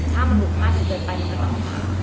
ถ้ามะหุ่นพ่าที่เกิดไปมันก็ต่อไป